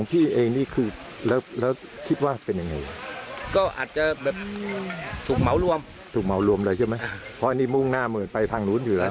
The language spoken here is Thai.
เพราะอันนี้มุ่งหน้าเมืองไปทางนู้นอยู่แล้ว